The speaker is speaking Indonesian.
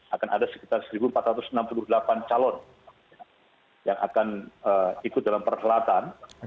akan ada sekitar satu empat ratus enam puluh delapan calon yang akan ikut dalam perhelatan